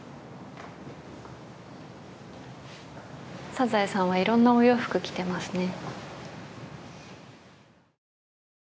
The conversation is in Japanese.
サザエさんはいろんなお洋服着てますね。